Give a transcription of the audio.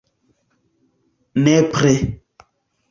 nepre